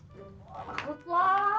wah takut lo